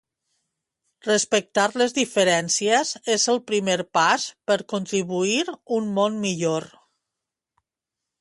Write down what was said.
Respectar les diferències és el primer pas per construir un món millor.